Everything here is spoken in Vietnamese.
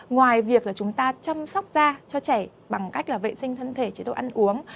ngoài việc chúng ta chăm sóc da cho trẻ bằng cách vệ sinh thân thể chế độ ăn uống